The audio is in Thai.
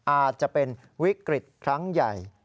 อาจจะเป็นวิกฤตครั้งใหญ่